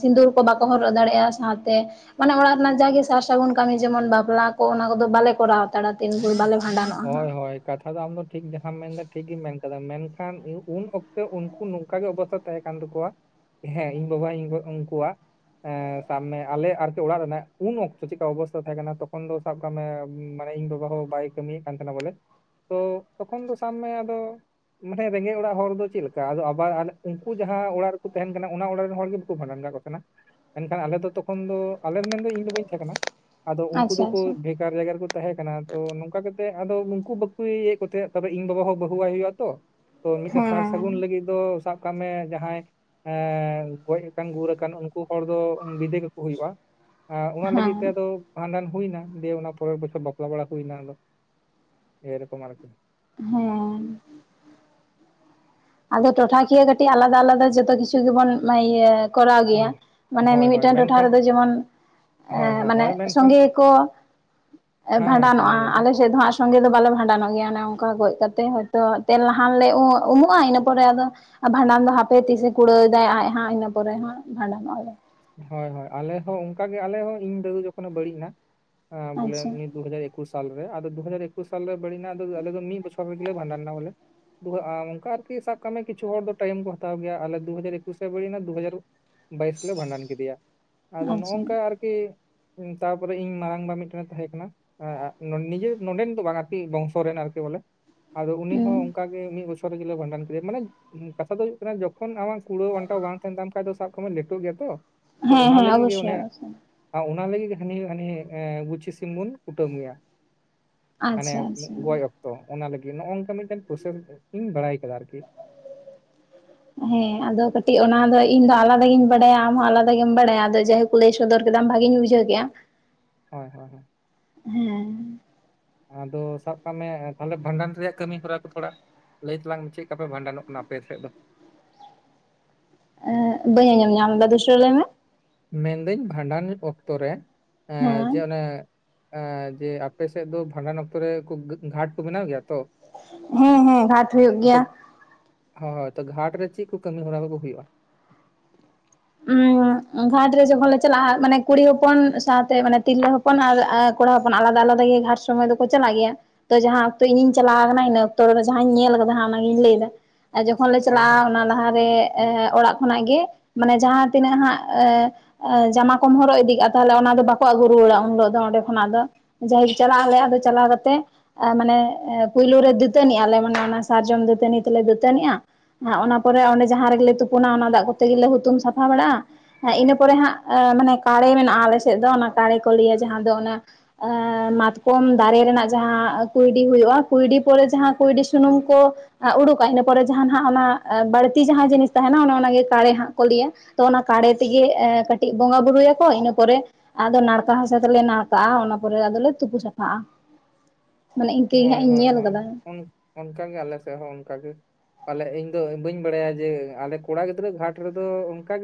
Speaker 1: ᱥᱤᱸᱫᱩᱨ ᱠᱚ ᱵᱟᱠᱚ ᱦᱚᱨᱚᱜ ᱫᱟᱲᱮᱭᱟᱜᱼᱟ ᱥᱟᱶᱛᱮ᱾ ᱢᱟᱱᱮ ᱚᱲᱟᱜ ᱨᱮᱱᱟᱜ ᱡᱟᱜᱮ ᱥᱟᱨ ᱥᱟᱹᱜᱩᱱ ᱡᱮᱢᱚᱱ ᱵᱟᱯᱞᱟ‌ ᱠᱚ ᱚᱱᱟ ᱠᱚᱫᱚ ᱵᱟᱞᱮ ᱠᱚᱨᱟᱣ ᱦᱟᱛᱟᱲᱟ ᱫᱤᱱ ᱵᱷᱳᱨ ᱵᱟᱞᱮᱼᱼ
Speaker 2: ᱦᱳᱭ ᱦᱳᱭ ᱠᱟᱛᱷᱟ ᱫᱚ ᱟᱢᱫᱚ ᱴᱷᱤᱠ ᱡᱟᱦᱟᱸᱢ ᱢᱮᱱᱫᱟ ᱴᱷᱤᱠ ᱜᱮᱢ ᱢᱮᱱ ᱟᱠᱟᱫᱟ ᱢᱮᱱᱠᱷᱟᱱ ᱩᱱ ᱚᱠᱛᱮ ᱩᱱᱠᱩ ᱱᱚᱝᱠᱟ ᱜᱮ ᱚᱵᱚᱥᱛᱟᱼᱼ ᱛᱟᱦᱮᱸ ᱠᱟᱱ ᱛᱟᱠᱚᱣᱟ ᱦᱮᱸ ᱤᱧ ᱵᱟᱵᱟ ᱤᱧ ᱜᱚᱜᱚ ᱩᱱᱠᱩᱣᱟᱜ᱾ ᱮᱸ ᱥᱟᱵ ᱢᱮ ᱟᱞᱮ ᱟᱨᱠᱤ ᱚᱲᱟᱜ ᱨᱮᱱᱟᱜ ᱩᱱ ᱚᱠᱛᱚ ᱪᱤᱠᱟ ᱚᱵᱚᱥᱛᱟ ᱛᱟᱦᱮᱸ ᱠᱟᱱᱟ ᱛᱚᱠᱷᱚᱱ ᱫᱚᱼᱼ ᱥᱟᱵ ᱠᱟᱜ ᱢᱮ ᱢᱟᱱᱮ ᱤᱧ ᱵᱟᱵᱟ ᱦᱚᱸ ᱵᱟᱭ ᱠᱟᱹᱢᱤᱭᱮᱫ ᱠᱟᱱ ᱛᱟᱦᱮᱱᱟ ᱵᱚᱞᱮᱼᱼ ᱛᱚ ᱛᱚᱠᱷᱚᱱ ᱫᱚ ᱥᱟᱵ ᱢᱮ ᱟᱫᱚᱼᱼ ᱢᱟᱱᱮ ᱨᱮᱸᱜᱮᱡ ᱚᱲᱟᱜ ᱦᱚᱲ ᱫᱚ ᱪᱮᱫ ᱞᱮᱠᱟ ᱟᱫᱚ ᱟᱵᱟᱨ ᱩᱱᱠᱩ ᱡᱟᱦᱟᱸ ᱚᱲᱟᱜ ᱨᱮᱠᱚ ᱛᱟᱦᱮᱱ ᱠᱟᱱᱟ ᱚᱱᱟ ᱚᱲᱟᱜ ᱨᱮᱱ ᱦᱚᱲ ᱜᱮᱼᱼ ᱵᱷᱟᱰᱟᱱ ᱠᱚ ᱛᱟᱦᱮᱱᱟ ᱢᱮᱱᱠᱷᱟᱱ ᱟᱞᱮ ᱫᱚ ᱛᱚᱠᱷᱚᱱ ᱫᱚ ᱟᱞᱮ ᱨᱮᱱ ᱢᱮᱱᱫᱚ ᱤᱧ ᱫᱚ ᱵᱟᱹᱧ ᱛᱟᱦᱮᱸ ᱠᱟᱱᱟ᱾ ᱟᱫᱚ ᱩᱱᱠᱩ
Speaker 1: ᱟᱪᱪᱷᱟ
Speaker 2: ᱫᱚᱠᱚ
Speaker 1: ᱟᱪᱪᱷᱟ
Speaker 2: ᱵᱷᱮᱜᱟᱨ ᱡᱟᱭᱜᱟ ᱨᱮᱠᱚ ᱛᱟᱦᱮᱸ ᱠᱟᱱᱟ ᱛᱚᱼᱼ ᱚᱱᱠᱟ ᱠᱟᱛᱮᱜ ᱟᱫᱚ ᱩᱱᱠᱩ ᱵᱟᱠᱚ ᱤᱭᱟᱹᱮᱫ ᱠᱚ ᱛᱟᱦᱮᱸ ᱛᱮ ᱤᱧ ᱵᱟᱵᱟ ᱦᱚᱸ ᱵᱟᱹᱦᱩ ᱣᱟᱭ ᱦᱩᱭᱩᱜᱼᱟ ᱛᱚ᱾ ᱛᱚ ᱢᱤᱫᱴᱮᱱ ᱥᱟᱨ ᱥᱟᱹᱜᱩᱱ
Speaker 1: ᱦᱮᱸ
Speaker 2: ᱞᱟᱹᱜᱤᱫ ᱫᱚ ᱥᱟᱵ ᱠᱟᱜ ᱢᱮ ᱡᱟᱦᱟᱸᱭᱼᱼ ᱮ ᱜᱚᱡ ᱟᱠᱟᱱ ᱜᱩᱨ ᱟᱠᱟᱱ ᱦᱚᱲ ᱫᱚ ᱵᱤᱫᱟᱹᱭ ᱦᱩᱭᱩᱜᱼᱟ᱾ ᱟᱨ ᱚᱱᱟ ᱞᱟᱹᱜᱤᱫ
Speaker 1: ᱦᱮᱸ
Speaker 2: ᱛᱮ ᱟᱫᱚ ᱵᱷᱟᱸᱰᱟᱱ ᱦᱩᱭᱱᱟ ᱫᱤᱭᱮ ᱚᱱᱟ ᱯᱚᱨᱮᱨ ᱵᱚᱪᱚᱨ ᱵᱟᱯᱞᱟ ᱵᱟᱲᱟ ᱦᱩᱭ ᱮᱱᱟ ᱟᱫᱚ᱾ ᱥᱮ ᱨᱚᱠᱚᱢ ᱟᱨᱠᱤ᱾
Speaker 1: ᱦᱮᱸ ᱟᱫᱚ ᱴᱚᱴᱷᱟᱠᱤᱭᱟᱹ ᱠᱟᱹᱴᱤᱡ ᱟᱞᱟᱫᱟ ᱟᱞᱟᱫᱟ ᱡᱚᱛᱚ ᱠᱤᱪᱷᱩ ᱜᱮᱵᱚᱱ ᱤᱭᱟᱹᱼᱼ ᱠᱚᱨᱟᱣ ᱜᱮᱭᱟ
Speaker 2: ᱚ
Speaker 1: ᱢᱟᱱᱮ
Speaker 2: ᱦᱳᱭ ᱦᱳᱭ
Speaker 1: ᱢᱤᱢᱤᱫᱴᱟᱹᱝ ᱴᱚᱴᱷᱟ
Speaker 2: ᱢᱮᱱᱠᱷᱟᱱ
Speaker 1: ᱨᱮᱫᱚ ᱡᱮᱢᱚᱱᱼᱼ
Speaker 2: ᱦᱳᱭ ᱦᱳᱭ
Speaker 1: ᱢᱟᱱᱮ
Speaker 2: ᱦᱳᱭ ᱢᱮᱱᱠᱷᱟᱱ
Speaker 1: ᱥᱚᱸᱜᱮ ᱠᱚ
Speaker 2: ᱦᱮᱸ ᱦᱮᱸ
Speaker 1: ᱵᱷᱟᱸᱰᱟᱱᱚᱜᱼᱟ,
Speaker 2: ᱥᱚᱸᱜᱮ ᱜᱮᱭᱟ ᱠᱚ
Speaker 1: ᱟᱞᱮ ᱥᱮᱫ ᱫᱚ ᱦᱟᱸᱜ ᱥᱚᱸᱜᱮ ᱫᱚ ᱵᱟᱞᱮ ᱵᱷᱟᱸᱰᱟᱱᱚᱜ ᱜᱮᱭᱟ ᱚᱱᱮ ᱚᱝᱠᱟ ᱜᱚᱡ ᱠᱟᱛᱮ ᱦᱳᱭ ᱛᱚ ᱛᱮᱞ ᱞᱟᱦᱟᱱ ᱞᱮ ᱩᱢᱚᱜᱼᱟ ᱤᱱᱟᱹ ᱯᱚᱨ ᱯᱚᱨᱮ ᱟᱫᱚ ᱵᱷᱟᱸᱰᱟᱱ ᱫᱚ ᱦᱟᱯᱮ ᱛᱤᱥᱮ ᱠᱩᱲᱟᱹᱣ ᱫᱟᱭ ᱟᱡ ᱦᱟᱸᱜ ᱤᱱᱟᱹ ᱯᱚᱨᱮ ᱦᱚᱸᱜ ᱵᱷᱟᱸᱰᱟᱱᱚᱜᱼᱟ ᱞᱮ,
Speaker 2: ᱦᱳᱭ ᱦᱳᱭ, ᱟᱞᱮ ᱦᱚᱸ ᱚᱝᱠᱟ ᱜᱮ ᱟᱞᱮ ᱦᱚᱸ ᱤᱧ ᱫᱟᱹᱫᱩ ᱡᱚᱠᱷᱚᱱᱮ ᱵᱟᱹᱲᱤᱡ ᱮᱱᱟ ᱵᱚᱞᱮ
Speaker 1: ᱟᱪᱪᱷᱟ
Speaker 2: ᱫᱩ ᱦᱟᱡᱟᱨ ᱮᱠᱩᱥ ᱥᱟᱞᱨᱮ ᱟᱫᱚ ᱫᱩ ᱦᱟᱡᱟᱨ ᱮᱠᱩᱥ ᱥᱟᱞᱨᱮ ᱵᱟᱹᱲᱤᱡ ᱮᱱᱟ ᱟᱫᱚ ᱟᱞᱮ ᱫᱚ ᱢᱤᱫ ᱵᱚᱪᱷᱚᱨ ᱨᱮ ᱜᱮᱞᱮ ᱵᱷᱟᱰᱟᱸᱱ ᱮᱱᱟ ᱵᱚᱞᱮ, ᱚᱝᱠᱟ ᱟᱨᱠᱤ ᱥᱟᱵ ᱠᱟᱜ ᱢᱮ ᱠᱤᱪᱷᱩ ᱦᱚᱲ ᱫᱚ ᱴᱟᱭᱤᱢ ᱠᱚ ᱦᱟᱛᱟᱣ ᱜᱮᱭᱟ, ᱟᱞᱮ ᱫᱩ ᱦᱟᱡᱟᱨ ᱮᱠᱩᱥ ᱮ ᱦᱩᱭᱮᱱᱟ ᱫᱩ ᱦᱟᱡᱟᱨ ᱵᱟᱭᱤᱥ ᱜᱮᱞᱮ ᱵᱷᱟᱸᱰᱟᱱ ᱠᱮᱫᱮᱭᱟ ᱟᱫᱚ
Speaker 1: ᱟᱪᱪᱷᱟ
Speaker 2: ᱱᱚᱜᱝᱠᱟ ᱟᱨ ᱠᱤ ᱛᱟᱯᱚᱨᱮ ᱤᱧ ᱢᱟᱨᱟᱝᱵᱟ ᱢᱤᱫᱴᱮᱱᱮ ᱛᱟᱦᱮᱸ ᱠᱟᱱᱟ, ᱱᱤᱡᱮ ᱱᱚᱰᱮᱱ ᱫᱚ ᱵᱟᱝᱼᱟᱨᱠᱤ ᱵᱚᱝᱥᱚ ᱨᱮᱱ ᱟᱨᱠᱤ ᱵᱚᱞᱮ ᱟᱫᱚ ᱩᱱᱤ ᱦᱚᱸ
Speaker 1: ᱦᱮᱸ
Speaker 2: ᱚᱝᱠᱟ ᱜᱮ ᱢᱤᱫ ᱵᱚᱪᱷᱚᱨ ᱚᱝᱠᱟ ᱛᱮᱜᱮ ᱞᱮ ᱵᱷᱟᱸᱰᱟᱱ ᱠᱮᱫᱮᱭᱟ, ᱢᱥᱱᱮ ᱠᱟᱛᱷᱟ ᱫᱚ ᱦᱩᱭᱩᱭ ᱠᱟᱱᱟ ᱡᱚᱠᱷᱚᱱ ᱟᱢᱟᱜ ᱠᱩᱲᱟᱹ ᱟᱱᱴᱟᱣ ᱵᱟᱝ ᱛᱟᱦᱮᱱ ᱛᱟᱢ ᱠᱷᱟᱡ ᱫᱚ ᱥᱟᱵ ᱠᱟᱜ ᱢᱮ ᱞᱮᱴᱚᱜ ᱜᱮᱭᱟ ᱛᱚ, ᱛᱚ ᱚᱱᱟ
Speaker 1: ᱦᱮᱸ
Speaker 2: ᱞᱟᱹᱜᱤᱫ ᱜᱮ
Speaker 1: ᱚᱵᱚᱥᱥᱳᱭ
Speaker 2: ᱚᱱᱮ
Speaker 1: ᱚᱵᱚᱥᱥᱳᱭ
Speaker 2: ᱚᱱᱟ ᱞᱟᱹᱜᱤᱫ ᱦᱟᱱᱤ ᱦᱟᱱᱤ ᱜᱩᱪᱷᱤ ᱥᱤᱢ ᱵᱚᱱ ᱠᱩᱴᱟᱹᱢ ᱢᱮᱭᱟ ᱾ ᱢᱟᱱᱮ
Speaker 1: ᱟᱪᱪᱷᱟ ᱟᱪᱪᱷᱟ
Speaker 2: ᱜᱚᱡ ᱚᱠᱛᱚ ᱚᱱᱟ ᱞᱟᱹᱜᱤᱫ ᱱᱚᱜ-ᱚ ᱱᱚᱝᱠᱟ ᱢᱤᱫᱴᱮᱱ ᱯᱨᱥᱮᱥ ᱤᱧ ᱵᱟᱲᱟᱭ ᱠᱟᱫᱟ ᱟᱨᱠᱤ,
Speaker 1: ᱦᱮᱸ, ᱟᱫᱚ ᱠᱟᱹᱴᱤᱡ ᱚᱱᱟ ᱫᱚ ᱤᱧ ᱫᱚ ᱟᱞᱟᱫᱟ ᱜᱤᱧ ᱵᱟᱰᱟᱭᱟ ᱟᱢ ᱦᱚᱸ ᱟᱞᱟᱫᱟ ᱜᱮᱢ ᱵᱟᱲᱟᱭᱟ ᱡᱟᱭ ᱦᱳᱠ, ᱞᱟᱹᱭ ᱥᱚᱫᱚᱨ ᱠᱮᱫᱟᱢ ᱵᱷᱟᱹᱜᱧ ᱵᱩᱡᱷᱟᱹᱣ ᱠᱮᱜᱼᱟ ᱾
Speaker 2: ᱦᱳᱭ ᱦᱳᱭ,
Speaker 1: ᱦᱮᱸ
Speaker 2: ᱟᱫᱚ ᱥᱟᱵ ᱠᱟᱜ ᱢᱮ ᱛᱟᱦᱞᱮ ᱵᱷᱟᱸᱰᱟᱱ ᱨᱮᱭᱟᱜ ᱠᱟᱹᱢᱤ ᱦᱚᱨᱟ ᱠᱚ ᱛᱷᱚᱲᱟ ᱾ ᱞᱟᱹᱭ ᱛᱟᱞᱟᱝ ᱢᱮ ᱪᱮᱫ ᱞᱮᱠᱟ ᱯᱮ ᱵᱷᱟᱸᱰᱟᱱᱚᱜ ᱠᱟᱱᱟ ᱟᱯᱮ ᱥᱮᱫ ᱫᱚ?
Speaker 1: ᱮᱸ ᱵᱟᱹᱧ ᱟᱸᱡᱚᱢ ᱧᱟᱢᱫᱟ ᱫᱩᱥᱨᱟ ᱞᱟᱹᱭ ᱢᱮ ᱾
Speaker 2: ᱢᱮᱱᱫᱟᱹᱧ ᱵᱷᱟᱸᱰᱟᱱ ᱚᱠᱛᱚ ᱨᱮ ᱡᱮ
Speaker 1: ᱦᱮᱸ
Speaker 2: ᱚᱱᱮ ᱮᱸ ᱡᱮ ᱟᱯᱮ ᱥᱮᱫ ᱫᱚ ᱵᱷᱟᱸᱰᱟᱱ ᱚᱠᱛᱚ ᱨᱮ ᱜᱷᱟᱴ ᱠᱚ ᱵᱮᱱᱟᱣ ᱜᱮᱭᱟ ᱛᱚ?
Speaker 1: ᱦᱮᱸ ᱦᱮᱸ, ᱜᱷᱟᱴ ᱦᱳᱭᱳᱜ
Speaker 2: ᱛᱚ
Speaker 1: ᱜᱮᱭᱟ
Speaker 2: ᱦᱳᱭ, ᱛᱚ ᱜᱷᱟᱴ ᱨᱮ ᱪᱮᱫ ᱠᱚ ᱠᱟᱹᱢᱤ ᱦᱚᱨᱟ ᱠᱚ ᱠᱚ ᱦᱩᱭᱩᱜᱼᱟ?
Speaker 1: ᱩᱸ ᱜᱷᱟᱴ ᱨᱮ ᱡᱚᱠᱷᱚᱱ ᱞᱮ ᱪᱟᱞᱟᱜᱼᱟ ᱢᱟᱱᱮ ᱠᱩᱲᱤ ᱦᱚᱯᱚᱱ ᱥᱟᱶᱛᱮ ᱢᱟᱱᱮ ᱛᱤᱨᱞᱟᱹ ᱦᱚᱯᱚᱱ ᱟᱨ ᱠᱚᱲᱟ ᱦᱚᱯᱚᱱ ᱟᱞᱟᱫᱟ ᱟᱞᱟᱫᱟ ᱜᱮ ᱜᱷᱟᱴ ᱥᱚᱢᱚᱭ ᱫᱚ ᱠᱚ ᱪᱟᱞᱟᱜ ᱜᱮᱭᱟ, ᱾ ᱛᱚ ᱡᱟᱦᱟᱸ ᱚᱠᱛᱚ ᱤᱧ ᱤᱧ ᱪᱟᱞᱟᱣ ᱠᱟᱱᱟ ᱤᱱᱟᱹ ᱚᱠᱛᱚ ᱨᱮ ᱫᱚ ᱡᱟᱦᱟᱸᱟᱧ ᱧᱮᱞ ᱠᱟᱫᱟ ᱚᱱᱟᱜᱤᱧ ᱞᱟᱹᱭᱫᱟ ᱾ ᱡᱚᱠᱷᱚᱱ ᱞᱮ
Speaker 2: ᱦᱳᱭ ᱦᱳᱭ
Speaker 1: ᱪᱟᱞᱟᱜᱼᱟ ᱚᱱᱟ ᱞᱟᱦᱟ ᱨᱮ ᱮ ᱚᱲᱟᱜ ᱠᱷᱚᱱᱟᱜ ᱜᱮ ᱢᱟᱱᱮ ᱡᱟᱦᱟᱸ ᱛᱤᱱᱟᱹᱜ ᱦᱟᱸᱜ ᱮᱸ ᱡᱟᱢᱟ ᱠᱚᱢ ᱦᱚᱨᱚᱜ ᱤᱫᱤ ᱠᱟᱜᱼᱟ, ᱛᱟᱦᱞᱮ ᱚᱱᱟ ᱫᱚ ᱵᱟᱠᱚ ᱟᱹᱜᱩ ᱨᱩᱣᱟᱹᱲᱟ ᱩᱱ ᱦᱤᱞᱳᱜ ᱫᱚ ᱚᱸᱰᱮ ᱠᱷᱚᱱᱟᱜ ᱫᱚ᱾ ᱡᱟᱦᱮ ᱪᱟᱞᱟᱜ ᱟᱞᱮ ᱫᱚ ᱪᱟᱞᱟᱣ ᱠᱟᱛᱮᱜ ᱮ ᱢᱟᱱᱮ ᱯᱳᱭᱞᱳ ᱨᱮ ᱫᱟᱹᱛᱟᱹᱱᱤᱜ ᱟᱞᱮ ᱢᱟᱱᱮ ᱚᱱᱟ ᱥᱟᱨᱡᱚᱢ ᱫᱟᱹᱛᱟᱹᱱᱤ ᱛᱮ ᱞᱮ ᱫᱟᱹᱛᱟᱹᱱᱤᱜᱼᱟ ᱾ ᱟᱨ ᱚᱱᱟ ᱯᱚᱨᱮ ᱚᱸᱰᱮ ᱡᱟᱦᱟᱸ ᱨᱮᱜᱮ ᱞᱮ ᱛᱩᱯᱩᱱᱟ ᱚᱱᱟ ᱫᱟᱜ ᱠᱚᱛᱮ ᱜᱮ ᱞᱮ ᱦᱩᱛᱩᱢ ᱥᱟᱯᱷᱟ ᱵᱟᱲᱟᱜᱼᱟ ᱾ ᱦᱮᱸ, ᱤᱱᱟᱹ ᱯᱚᱨᱮ ᱦᱟᱸᱜ ᱢᱟᱱᱮ ᱠᱟᱲᱮ ᱢᱮᱱᱟᱜᱼᱟ ᱟᱞᱮ ᱥᱮᱫ ᱫᱚ ᱚᱱᱟ ᱠᱟᱲᱮ ᱠᱚ ᱞᱟᱹᱭᱟ ᱡᱟᱦᱟᱸ ᱫᱚ ᱚᱱᱟ ᱮᱸ ᱢᱟᱛᱠᱚᱢ ᱫᱟᱨᱮ ᱨᱮᱱᱟᱜ ᱡᱟᱦᱟᱸ ᱠᱩᱭᱰᱤ ᱦᱩᱭᱩᱜᱼᱟ, ᱠᱩᱭᱰᱤ ᱯᱚᱨᱮ ᱡᱟᱦᱟᱸ ᱠᱩᱭᱰᱤ ᱥᱩᱱᱩᱢ ᱠᱚ ᱩᱰᱩᱠᱼᱟ ᱤᱱᱟᱹ ᱯᱚᱨᱮ ᱡᱟᱦᱟᱸᱱᱟᱜ ᱚᱱᱟ ᱵᱟᱹᱲᱛᱤ ᱡᱟᱦᱟᱸ ᱡᱤᱱᱤᱥ ᱛᱟᱦᱮᱸᱱᱟ ᱚᱱᱟ ᱚᱱᱟᱜᱮ ᱠᱟᱲᱮ ᱦᱟᱸᱜ, ᱠᱚ ᱞᱟᱹᱭᱟ ᱛᱚ ᱚᱱᱟ ᱠᱟᱲᱮ ᱛᱮ ᱜᱮ ᱠᱟᱹᱴᱤᱡ ᱵᱚᱸᱜᱟ ᱵᱩᱨᱩᱭᱟ ᱠᱚ ᱤᱱᱟᱹ ᱯᱚᱨᱮ ᱟᱫᱚ ᱱᱟᱲᱠᱟ ᱦᱟᱥᱟ ᱛᱮ ᱞᱮ ᱱᱟᱲᱠᱟᱜᱼᱟ ᱚᱱᱟ ᱯᱚᱨᱮ ᱟᱫᱚ ᱞᱮ ᱛᱩᱯᱩ ᱥᱟᱯᱷᱟᱜᱼᱟ᱾
Speaker 2: [unintelligible]
Speaker 1: ᱢᱟᱱᱮ ᱤᱝᱠᱟᱹᱜᱮ ᱦᱟᱸᱜ ᱤᱧ ᱧᱮᱞ ᱟᱠᱟᱫᱟ ᱾
Speaker 2: ᱚᱝᱠᱟ ᱜᱮ ᱟᱞᱮ ᱥᱮᱫ ᱦᱚᱸ ᱚᱝᱠᱟ ᱜᱮ᱾ ᱟᱞᱮ ᱤᱧ ᱫᱚ ᱵᱟᱹᱧ ᱵᱟᱲᱟᱭᱟ ᱡᱮ ᱟᱞᱮ ᱠᱚᱲᱟ ᱜᱤᱫᱽᱨᱟᱹ ᱜᱷᱟᱴ ᱨᱮ ᱫᱚ ᱚᱝᱠᱟ ᱜᱮ ᱾